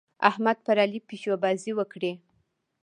احمد پر علي پيشوبازۍ وکړې.